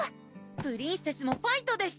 プリンセスもファイトです！